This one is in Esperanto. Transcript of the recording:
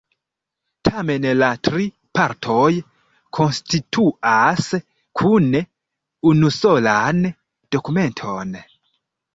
Tamen la tri partoj konstituas kune unusolan dokumenton.